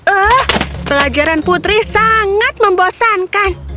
eh pelajaran putri sangat membosankan